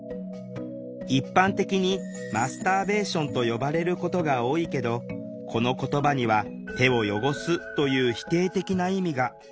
一般的にマスターベーションと呼ばれることが多いけどこの言葉には「手を汚す」という否定的な意味が。